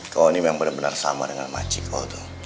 kau ini memang benar benar sama dengan makcik kau